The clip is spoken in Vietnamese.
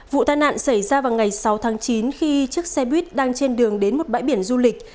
vụ tai nạn xảy ra vào ngày sáu tháng chín khi chiếc xe buýt đang trên đường đến một bãi biển du lịch